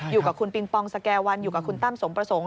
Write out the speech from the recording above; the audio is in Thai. อยู่กับคุณปิงปองสแก่วันอยู่กับคุณตั้มสมประสงค์